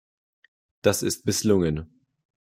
Das ist misslungen.